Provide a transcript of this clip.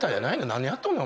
何年やっとんねん。